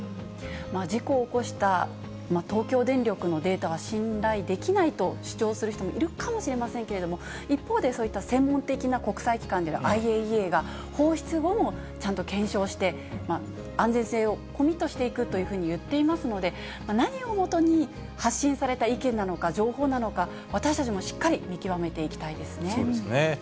事故を起こした東京電力のデータは信頼できないと主張する人もいるかもしれませんけれども、一方で、そういった専門的な国際機関であるＩＡＥＡが、放出後もちゃんと検証して、安全性をコミットしていくというふうにいっていますので、何を基に発信された意見なのか、情報なのか、私たちもしっかり見そうですね。